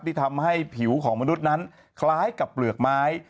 ที่ทำให้ผิวของมนุษย์นั้นคล้ายกับเปลือกไม้